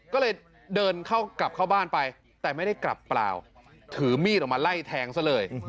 ก็เลยเดินกลับเข้าบ้านไปแต่ไม่ได้กลับเปล่าถือมีดออกมาไล่แทงซะเลย